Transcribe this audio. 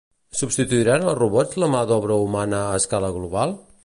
Substituiran els robots la mà d’obra humana a escala global?